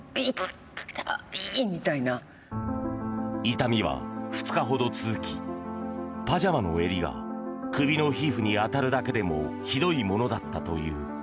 痛みは２日ほど続きパジャマの襟が首の皮膚に当たるだけでもひどいものだったという。